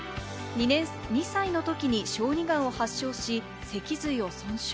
２歳のときに小児がんを発症し、脊髄を損傷。